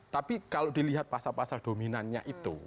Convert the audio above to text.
tapi kalau dilihat pasal pasal dominannya itu